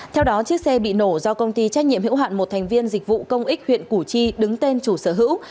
theo đó chiếc xe bị nổ do công ty trách nhiệm hữu hạn một thành viên dịch vụ công ích huyện củ chi đứng tên chủ sở hữu